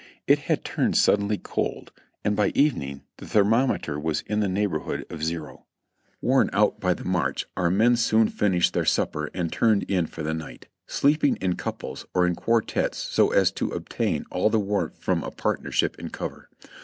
It had turned sud denly cold and by evening the thermometer was in the neighbor hood of zero. HOOD S MEN VISIT THE THEATRE 339 Worn out by the march, our men soon finished their supper and turned in for the night, sleeping in couples or in quartettes so as to obtain all the warmth from a partnership in cover.